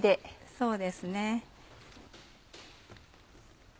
そうですね。